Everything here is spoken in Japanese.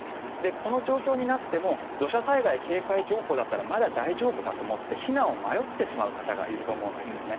この状況になっても土砂災害警戒情報だったらまだ大丈夫かと思って避難を迷ってしまう方がいると思うんですね。